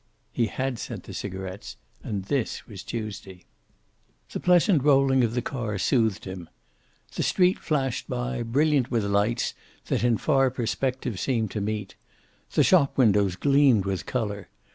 He had sent the cigarets, and this was Tuesday. The pleasant rolling of the car soothed him. The street flashed by, brilliant with lights that in far perspective seemed to meet. The shop windows gleamed with color.